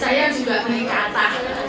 saya juga beli kata